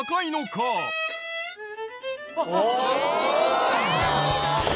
すごい！